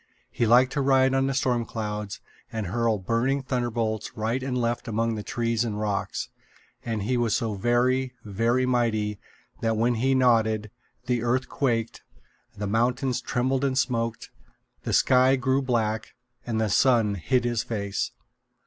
He liked to ride on the storm clouds and hurl burning thunderbolts right and left among the trees and rocks; and he was so very, very mighty that when he nodded, the earth quaked, the mountains trembled and smoked, the sky grew black, and the sun hid his face.